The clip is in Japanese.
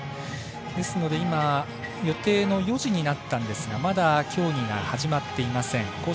ですので予定の４時になったんですがまだ、競技が始まっていません。